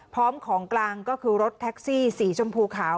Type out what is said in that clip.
พร้อมของกลางก็คือรถแท็กซี่สีชมพูขาว